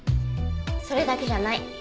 それだけじゃない。